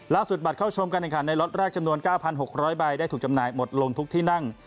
บัตรเข้าชมการแข่งขันในล็อตแรกจำนวน๙๖๐๐ใบได้ถูกจำหน่ายหมดลงทุกที่นั่ง